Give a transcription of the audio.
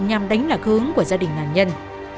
nhằm đánh lạc hướng của gia đình nạn nhân